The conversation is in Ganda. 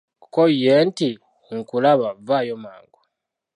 Ko ye nti, "Nkulaba, vaayo mangu"